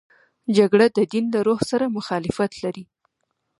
جګړه د دین له روح سره مخالفت لري